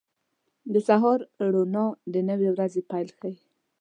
• د سهار روڼا د نوې ورځې پیل ښيي.